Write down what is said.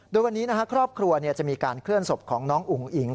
โดยวันนี้ครอบครัวจะมีการเคลื่อนศพของน้องอุ๋งอิ๋ง